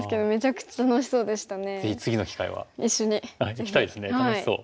行きたいですね楽しそう。